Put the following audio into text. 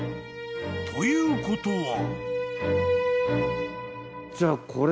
［ということは］